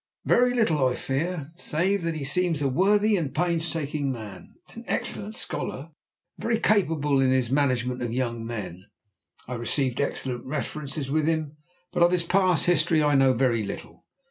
"Very little, I fear, save that he seems a worthy and painstaking man, an excellent scholar, and very capable in his management of young men. I received excellent references with him, but of his past history I know very little.